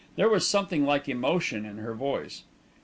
There was something like emotion in her voice.